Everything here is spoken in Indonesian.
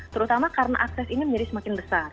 terutama karena akses ini menjadi semakin besar